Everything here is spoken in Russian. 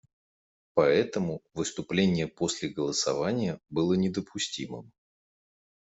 Поэтому выступление после голосования было недопустимым.